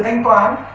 giấy gia viện